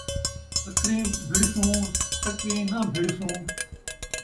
اکھریں بھڑسوں، ٹکریں نہ بھڑسوں